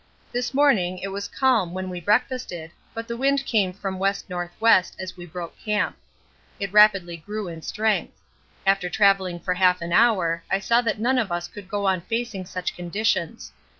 This morning it was calm when we breakfasted, but the wind came from W.N.W. as we broke camp. It rapidly grew in strength. After travelling for half an hour I saw that none of us could go on facing such conditions.